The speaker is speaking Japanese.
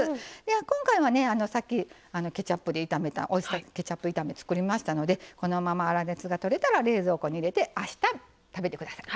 今回はねさっきケチャップで炒めたオイスターケチャップ炒め作りましたのでこのまま粗熱がとれたら冷蔵庫に入れてあした食べて下さい。